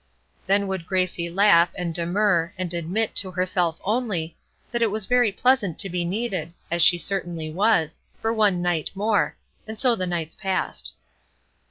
Then would Gracie laugh and demur and admit, to herself only, that it was very pleasant to be needed as she certainly was for one night more; and so the nights passed.